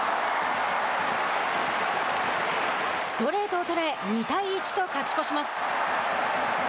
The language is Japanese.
ストレートを捉え２対１と勝ち越します。